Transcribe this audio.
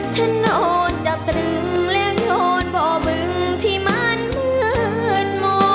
ทั้งหมด